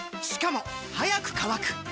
しかも速く乾く！